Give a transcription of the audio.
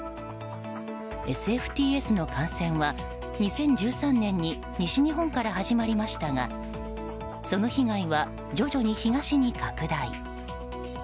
ＳＦＴＳの感染は、２０１３年に西日本から始まりましたがその被害は徐々に東に拡大。